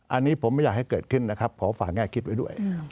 อันนี้ผมไม่อยากให้เกิดขึ้นนะครับขอฝากแง่คิดไว้ด้วย